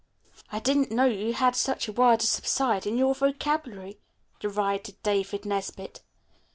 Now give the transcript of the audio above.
"I didn't know you had such a word as 'subside' in your vocabulary," derided David Nesbit.